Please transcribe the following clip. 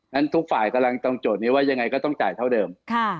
นั้นทุกฝ่ายตำโจทย์นี้ว่ายังไงก็ต้องจ่ายเท่าเดิม